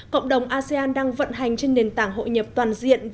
cộng đồng asean đang vận hành trên nền tảng hội nhập toàn diện